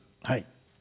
はい。